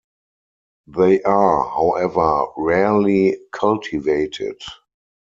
They are, however, rarely cultivated.